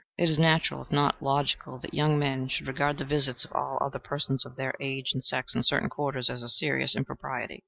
It is natural, if not logical, that young men should regard the visits of all other persons of their age and sex in certain quarters as a serious impropriety.